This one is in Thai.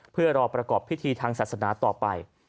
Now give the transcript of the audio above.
เพื่อรอประกอบพิธีทางศาสนาต่อไป